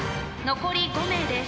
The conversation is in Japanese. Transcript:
残り５名です。